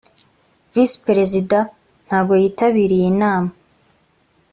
visi perezida ntago yitabiriye inama